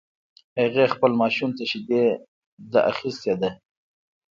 هغې خپل ماشوم ته شیدي ده اخیستی ده